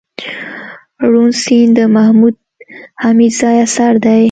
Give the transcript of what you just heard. روڼ سيند دمحمود حميدزي اثر دئ